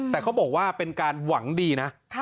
แต่เขาบอกว่าเป็นการหวังดีนะ